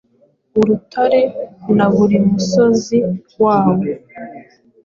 Urutare na buri musozi wawo,